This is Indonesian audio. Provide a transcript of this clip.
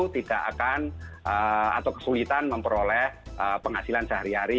tidak akan atau kesulitan memperoleh penghasilan sehari hari